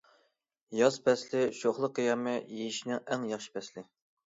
ياز پەسلى شوخلا قىيامى يېيىشنىڭ ئەڭ ياخشى پەسلى.